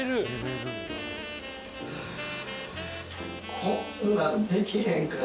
こんなんできへんから。